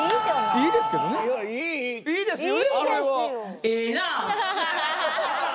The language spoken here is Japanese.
いいですよ！